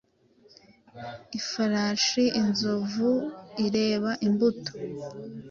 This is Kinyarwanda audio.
ifarashi, inzovu ireba imbuto.